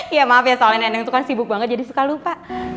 iya maaf ya soalnya neneng tuh kan sibuk banget jadi suka lupa